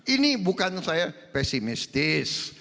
ini bukan saya pesimistis